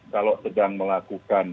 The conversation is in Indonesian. kalau sedang melakukan